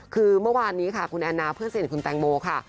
คือเมื่อวานนี้ค่ะคุณแอนนาเพื่อนสนิทคุณแตงโมค่ะ